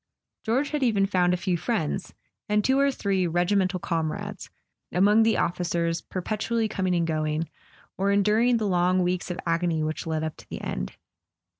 George had even found a few friends, and two or three regimental comrades, among the officers perpetually coming and going, or endur¬ ing the long weeks of agony which led up to the end.